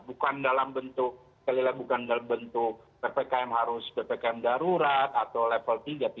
bukan dalam bentuk bukan dalam bentuk ppkm harus ppkm darurat atau level tiga tiga